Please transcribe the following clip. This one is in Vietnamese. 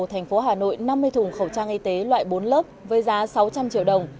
thành phố hà nội năm mươi thùng khẩu trang y tế loại bốn lớp với giá sáu trăm linh triệu đồng